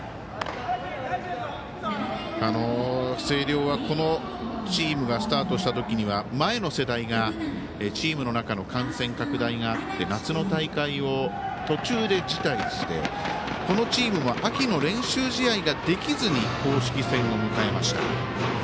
星稜は、このチームがスタートしたときには前の世代でチームの中の感染拡大があって夏の大会を途中で辞退してこのチームも秋の練習試合ができずに公式戦を迎えました。